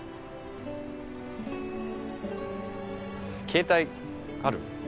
携帯ある？